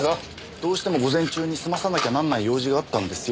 どうしても午前中に済まさなきゃなんない用事があったんですよ。